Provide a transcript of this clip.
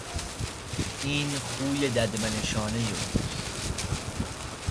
این خوی ددمنشانهی اوست.